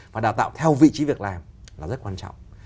và đào tạo theo vị trí việc làm là rất quan trọng